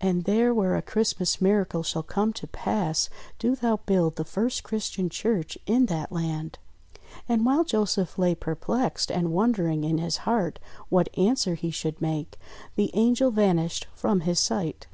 And there, where a Christ mas miracle shall come to pass, do thou build the first Christian church in that land." And while Joseph lay perplexed and wondering in his heart what answer he should make, the Angel vanished from his sight.